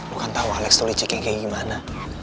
lo kan tau alex tuh liciknya kayak gimana